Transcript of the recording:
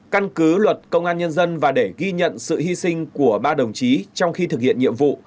căn cứ luật công an nhân dân và để ghi nhận sự hy sinh của ba đồng chí trong khi thực hiện nhiệm vụ